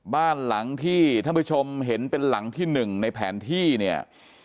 บ้านหลังที่ท่านผู้ชมเห็นเป็นหลังที่หนึ่งในแผนที่เนี่ย